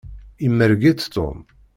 Imerreg-itt Tom.